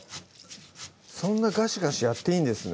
そんなガシガシやっていいんですね